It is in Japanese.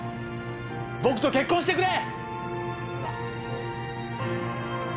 僕と結婚してくれ！